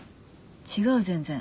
違う全然。